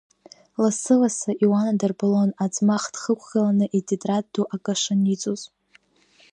Лассы-ласс Иуана дырбалон аӡмах дхықәгыланы итетрад ду акы шаниҵоз.